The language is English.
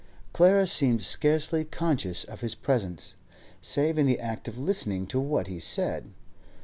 Clara seemed scarcely conscious of his presence, save in the act of listening to what he said.